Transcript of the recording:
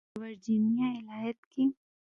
په ورجینیا ایالت کې